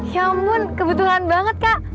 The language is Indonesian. ya ampun kebetulan banget kak